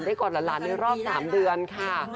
กอดหลานในรอบ๓เดือนค่ะ